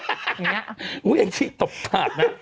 อุ๊ยหมูเอ็งชี่ตบดาระ